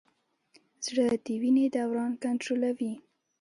زړه د وینې دوران کنټرولوي.